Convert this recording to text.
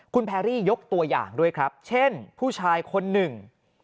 คุณแพรรี่ยกตัวอย่างด้วยครับเช่นผู้ชายคนหนึ่ง